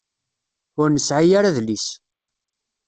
Ur nesɛi ara adlis.